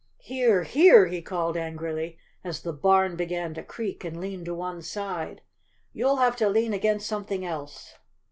Here, here!" he called angrily, as the barn began to creak and lean to one side, "you'll have to lean against something else!